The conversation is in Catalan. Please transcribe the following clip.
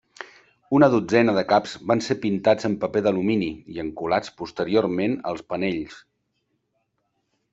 Una dotzena de caps van ser pintats en paper d'alumini i encolats posteriorment als panells.